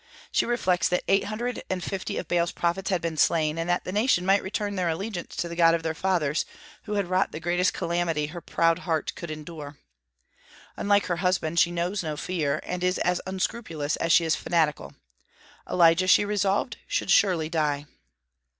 She reflects that eight hundred and fifty of Baal's prophets had been slain, and that the nation might return to their allegiance to the god of their fathers, who had wrought the greatest calamity her proud heart could endure. Unlike her husband, she knows no fear, and is as unscrupulous as she is fanatical. Elijah, she resolved, should surely die.